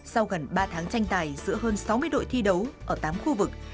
sau gần ba tháng tranh tài giữa hơn sáu mươi đội thi đấu ở tám khu vực